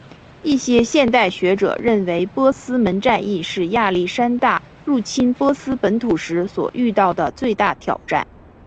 一些现代学者认为波斯门战役是亚历山大入侵波斯本土时所遇到的最大挑战。